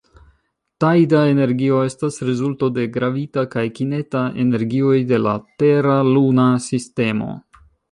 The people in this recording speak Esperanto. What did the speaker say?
Tajda energio estas rezulto de gravita kaj kineta energioj de la Tera-Luna sistemo.